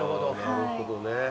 なるほどね。